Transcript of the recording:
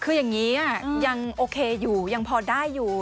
คืออย่างนี้ยังโอเคอยู่ยังพอได้อยู่